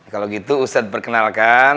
kalau gitu ustadz perkenalkan